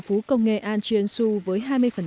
phú công nghệ ahn jae in su với hai mươi